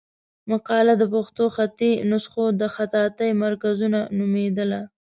مقاله د پښتو خطي نسخو د خطاطۍ مرکزونه نومېدله.